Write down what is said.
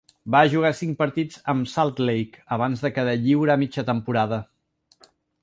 Va jugar cinc partits amb Salt Lake abans de quedar lliure a mitja temporada.